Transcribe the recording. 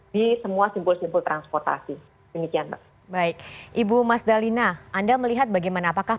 di semua simpul simpul transportasi demikian baik ibu mas dalina anda melihat bagaimana apakah